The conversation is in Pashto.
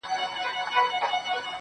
له پوهېدو موخه د انساني ژوند